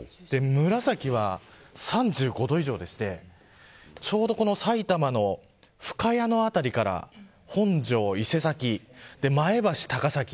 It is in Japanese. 紫は３５度以上でしてちょうどこの埼玉の深谷の辺りから本庄、伊勢崎前橋、高崎。